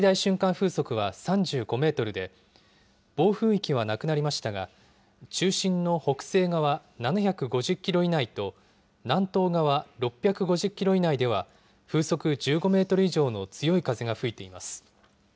風速は３５メートルで暴風域はなくなりましたが中心の北西側７５０キロ以内と南東側６５０キロ以内では風速１５メートル以上の強い風が吹いています。